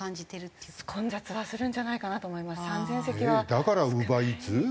だからウーバーイーツ？